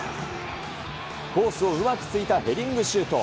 コースをうまくついたヘディングシュート。